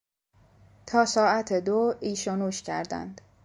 تا ساعت دو عیش و نوش کردند.